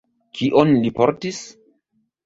Kion li portis?